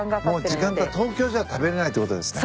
もう時間が東京じゃ食べれないってことですね。